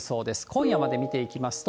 今夜まで見ていきますと。